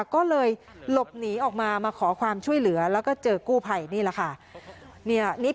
ก็เลยหลบหนีออกมามาขอความช่วยเหลือแล้วก็เจอกู้ภัยนี่แหละค่ะ